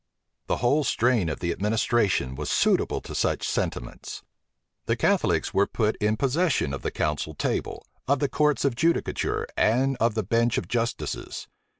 The whole strain of the administration was suitable to such sentiments. The Catholics were put in possession of the council table, of the courts of judicature, and of the bench of justices.